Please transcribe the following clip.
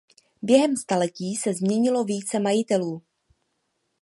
Během staletí se změnilo více majitelů.